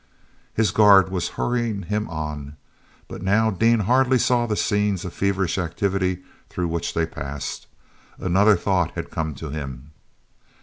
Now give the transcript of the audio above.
is guard was hurrying him on, but now Dean hardly saw the scenes of feverish activity through which they passed. Another thought had come to him.